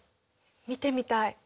見てみたい。